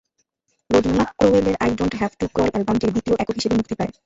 Rodney ক্রোওয়েলের "I don't have to crawl" অ্যালবামটির দ্বিতীয় একক হিসেবে মুক্তি পায়।